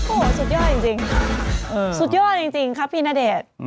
โอ้โหสุดยอดจริงสุดยอดจริงครับพี่ณเดชน์